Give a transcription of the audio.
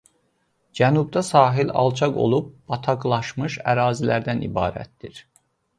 Cənubda sahil alçaq olub bataqlaşmış ərazilərdən ibarətdir.